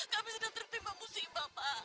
kami sudah terpimpin musibah pak